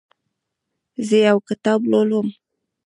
زه یو کتاب لولم.